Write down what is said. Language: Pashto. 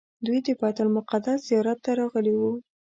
دوی د بیت المقدس زیارت ته راغلي وو.